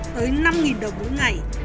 tới năm đồng mỗi ngày